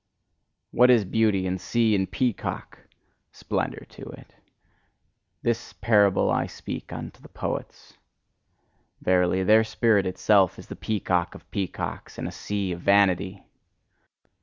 What is beauty and sea and peacock splendour to it! This parable I speak unto the poets. Verily, their spirit itself is the peacock of peacocks, and a sea of vanity!